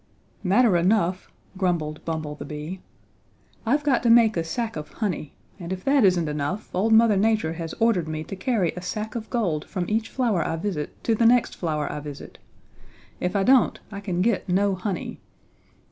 "Matter enough," grumbled Bumble the Bee. "I've got to make a sack of honey, and as if that isn't enough, old Mother Nature has ordered me to carry a sack of gold from each flower I visit to the next flower I visit. If I don't I can get no honey.